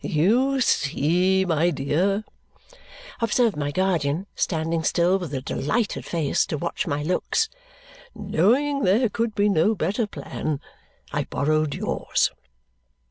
"You see, my dear," observed my guardian, standing still with a delighted face to watch my looks, "knowing there could be no better plan, I borrowed yours."